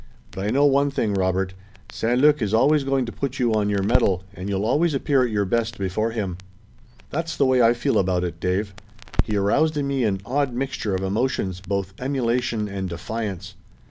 But I know one thing, Robert. St. Luc is always going to put you on your mettle, and you'll always appear at your best before him." "That's the way I feel about it, Dave. He aroused in me an odd mixture of emotions, both emulation and defiance."